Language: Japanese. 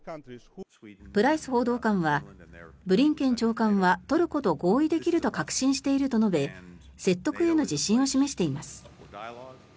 プライス報道官はブリンケン長官はトルコと合意できると確信していると述べ説得への自信を示しています。